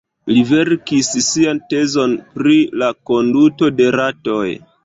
Li verkis sian tezon pri la konduto de ratoj.